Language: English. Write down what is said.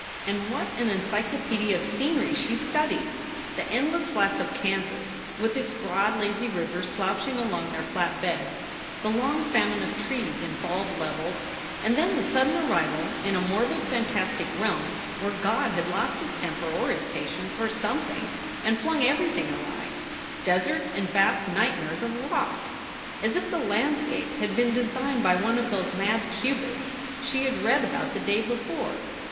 And what an encyclopaedia of scenery she studied! the endless flats of Kansas, with its broad lazy rivers slouching along their flat beds; the long famine of trees in bald levels, and then the sudden arrival in a morbid, fantastic realm where God had lost his temper or his patience or something and flung everything awry, desert and vast nightmares of rock ! As if the landscape had been designed by one of those mad cubists she had read about the day before.